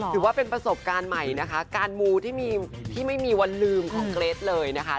ถือว่าเป็นประสบการณ์ใหม่นะคะการมูที่ไม่มีวันลืมของเกรทเลยนะคะ